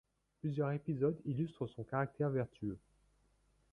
Plusieurs épisodes illustrent son caractère vertueux.